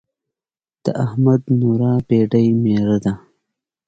د احمد نوره بېډۍ ميره ده.